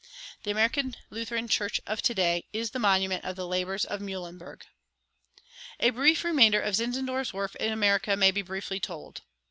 The American Lutheran Church of to day is the monument of the labors of Mühlenberg. The brief remainder of Zinzendorf's work in America may be briefly told.